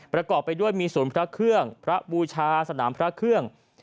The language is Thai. ประกอบไปด้วยมีศูนย์พระเครื่องพระบูชาสนามพระเครื่อง